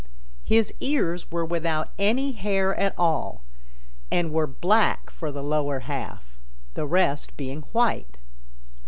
His ears were without any hair at all, and were black for the lower half, the rest being white.